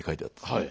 はい。